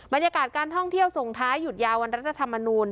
บรรยากาศการท่องเที่ยวส่งท้ายหยุดยาววันรัฐธรรมนูล